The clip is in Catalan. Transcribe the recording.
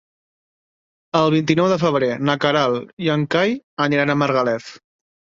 El vint-i-nou de febrer na Queralt i en Cai aniran a Margalef.